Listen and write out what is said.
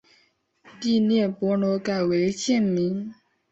第聂伯罗改为现名。